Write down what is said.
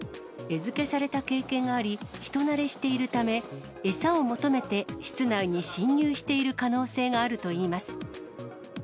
餌付けされた経験があり、人慣れしているため、餌を求めて、室内に侵入している可能性があるといいます。